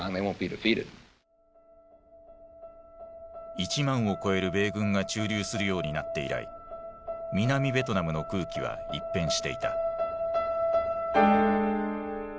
１万を超える米軍が駐留するようになって以来南ベトナムの空気は一変していた。